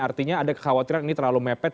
artinya ada kekhawatiran ini terlalu mepet